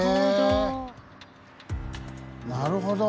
なるほど。